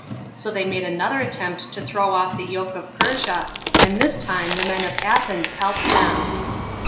So they made another attempt to throw off the yoke of Persia, and this time the men of Athens helped th6m.